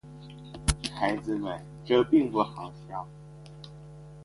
孩子们，这并不好笑。